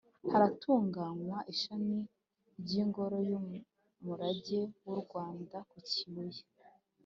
Haratunganywa Ishami ry’Ingoro y’Umurage w’u Rwanda ku Kibuye